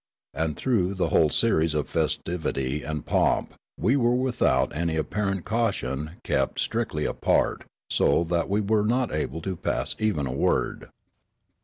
And through the whole series of festivity and pomp we were without any apparent caution kept strictly apart, so that we were not able to pass even a word.